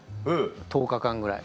１０日間ぐらい。